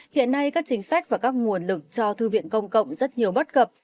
hiện nay các chính sách và các nguồn lực cho thư viện công cộng rất nhiều bất cập